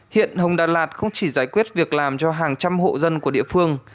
hiện hồng đà lạt không chỉ giải quyết việc làm cho hàng trăm hộ dân của địa phương